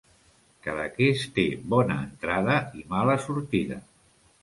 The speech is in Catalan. Cadaqués té bona entrada i mala sortida.